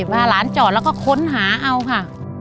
พาหลานจอดแล้วก็ค้นหาเอาค่ะ